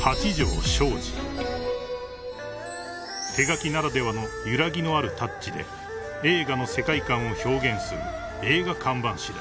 ［手描きならではの揺らぎのあるタッチで映画の世界観を表現する］